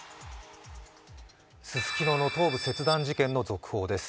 ススキノの頭部切断事件の続報です。